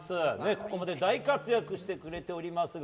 ここまで大活躍してくれておりますが。